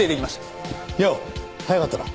谷保早かったな。